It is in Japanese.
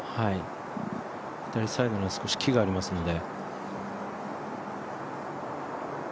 左サイドに少し木がありますので。